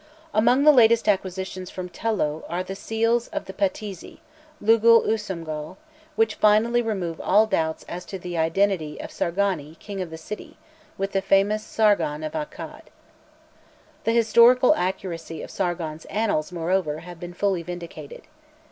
Among the latest acquisitions from Tello are the seals of the patesi, Lugal usumgal, which finally remove all doubt as to the identity of "Sargani, king of the city," with the famous Sargon of Akkad. The historical accuracy of Sargon's annals, moreover, have been fully vindicated.